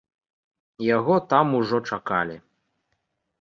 Яго там ужо чакалі.